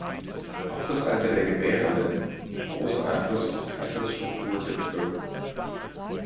Auch das Alter der Gebärenden hat großen Einfluss auf die Altersstruktur der Bevölkerung.